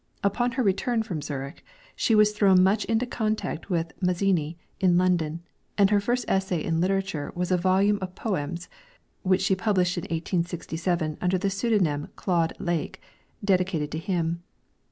Upon her return from Zurich she was thrown much into contact with Mazzini, in London, and her first essay in literature was a volume of poems (which she published in 1867 under the pseudonym Claude Lake) dedicated to him.